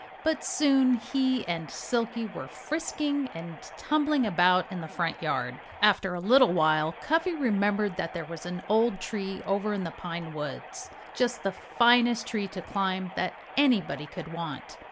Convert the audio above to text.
But soon he and Silkie were frisking and tumbling about in the front yard. After a little while Cuffy remembered that there was an old tree over in the pine woods just the finest tree to climb that anybody could want.